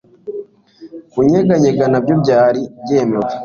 kunyeganyega nabyo ntibyari byemewe